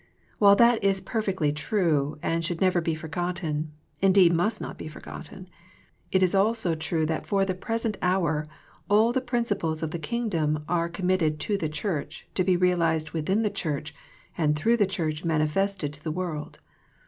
While that is perfectly true and should never be forgotten, indeed must not be forgotten, it is also true that for the present hour all the principles of the Kingdom are commit ted to the Church to be realized within the Church and through the Church manifested to the world.